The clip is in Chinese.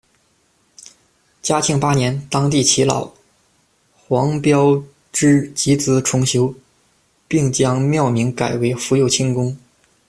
嘉庆八年，当地耆老黄标枝集资重修，并将庙名改为「福佑清宫」。